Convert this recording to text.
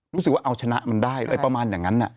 รู้สึกว่าเอาชนะมันได้อะไรประมาณอย่างนั้น